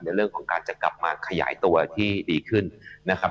ในเรื่องของการจะกลับมาขยายตัวที่ดีขึ้นนะครับ